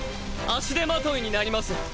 足手まといになります。